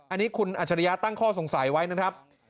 อันนี้คุณอัจฉริยะตั้งข้อสงสัยไว้นะครับ